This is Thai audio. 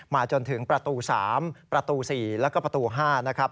จนถึงประตู๓ประตู๔แล้วก็ประตู๕นะครับ